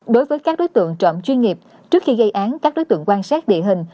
đối với các đối tượng trộm chuyên nghiệp trước khi gây án các đối tượng quan sát địa hình